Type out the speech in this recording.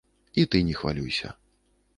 І ты не хвалюйся.